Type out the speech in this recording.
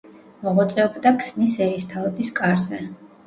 მოღვაწეობდა ქსნის ერისთავების კარზე.